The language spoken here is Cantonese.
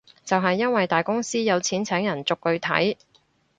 就係因為大公司有錢請人逐句睇